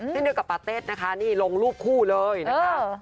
ที่ด้วยกับปาเตศนะคะนี่ลงรูปคู่เลยนะคะ